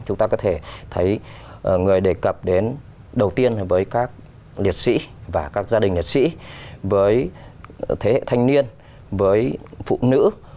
chúng ta có thể thấy người đề cập đến đầu tiên với các liệt sĩ và các gia đình liệt sĩ với thế hệ thanh niên với phụ nữ